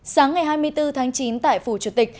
sáng ngày hai mươi bốn tháng chín tại phủ chủ tịch